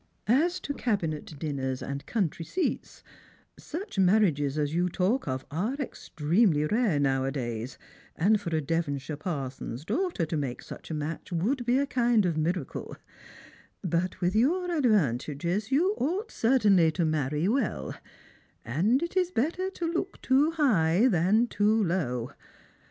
As to cabinet dinners and country seats, such marriages as you talk of are extremely rare nowadays, and for »■ Devonshire parson's daughter to make such a match would be a kind of miracle, lint with your advantages you ought certainly to marry well ; and it is better to look too high than too low.